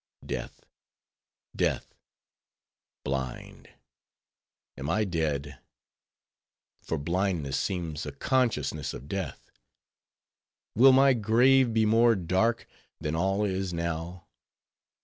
Death, death:—blind, am I dead? for blindness seems a consciousness of death. Will my grave be more dark, than all is now?